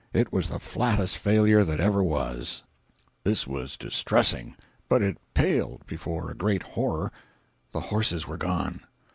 It was the flattest failure that ever was. 233.jpg (89K) This was distressing, but it paled before a greater horror—the horses were gone!